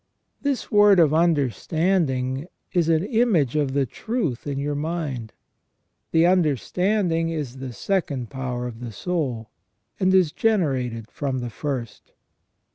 This word of understanding is an image of the truth in your mind. The understanding is the second power of the soul, and is generated from the first.